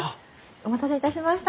お待たせいたしました。